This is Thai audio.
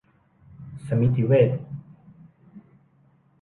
สมิติเวช